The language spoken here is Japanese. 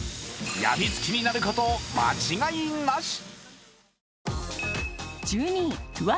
病みつきになること間違いなし。